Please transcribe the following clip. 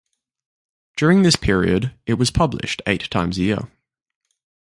During this period it was published eight times a year.